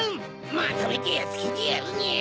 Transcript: まとめてやっつけてやるニャ！